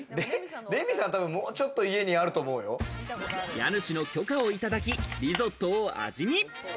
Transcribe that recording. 家主の許可をいただき、リゾットを味見。